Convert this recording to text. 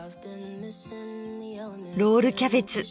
ロールキャベツ。